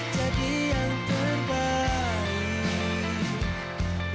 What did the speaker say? jadi yang terbaik